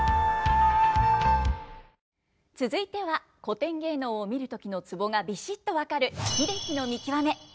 続いては古典芸能を見る時のツボがビシッと分かる英樹さん